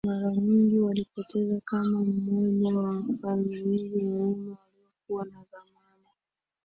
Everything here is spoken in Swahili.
Mara nyingi walipoteza kama mmoja wa wafalme wengi wa Roma waliokuwa na dhamana